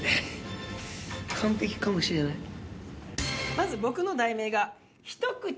まず僕の題名が。